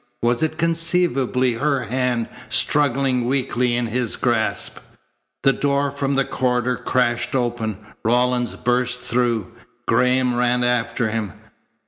Was it conceivably her hand struggling weakly in his grasp? The door from the corridor crashed open. Rawlins burst through. Graham ran after him.